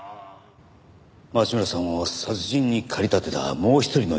町村さんを殺人に駆り立てたもう一人の人物